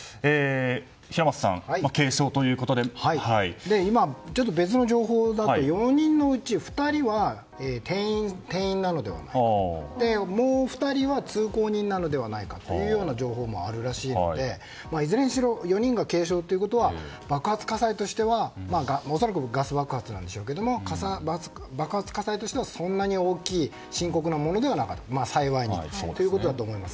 平松さん別の情報だと４人のうち２人は店員なのではないか、もう２人は通行人なのではないかという情報もあるらしいのでいずれにしろ４人が軽傷ということは恐らくガス爆発なんでしょうけど爆発火災としてはそんなに大きい深刻なものではなかった幸いにも、ということだと思います。